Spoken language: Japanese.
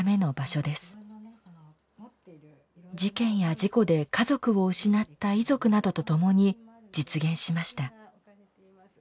事件や事故で家族を失った遺族などと共に実現しました。